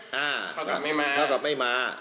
เขากลับไม่มาเขากลับไม่มา